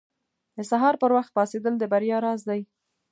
• د سهار پر وخت پاڅېدل د بریا راز دی.